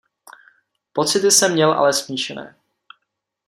Pocity jsem měl ale smíšené.